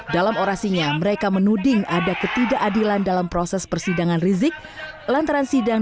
dalam orasinya mereka menuding ada ketidakadilan dalam proses persidangan rizik lantaran sidang